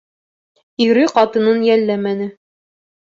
— Ире ҡатынын йөпләмәне.